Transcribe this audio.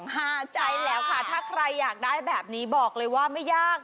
ถ้าใครอยากได้แบบนี้บอกเลยว่าไม่ยาก